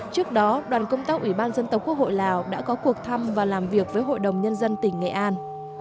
trước đó đoàn công tác ủy ban dân tộc quốc hội lào đã có cuộc thăm và làm việc với hội đồng nhân dân tỉnh nghệ an